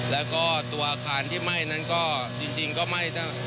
แล้วก็ตัวอาคารที่ไหม้นั้นก็จริงก็ไหม้